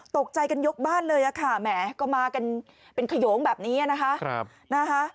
ตกใจกันยกบ้านเลยค่ะแหมก็มากันเป็นขยงแบบนี้นะคะ